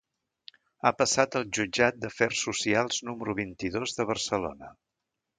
Ha passat al jutjat d’afers socials número vint-i-dos de Barcelona.